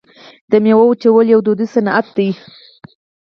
د میوو وچول یو دودیز صنعت دی.